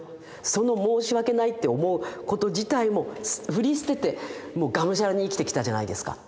その申し訳ないって思うこと自体も振り捨ててもうがむしゃらに生きてきたじゃないですか。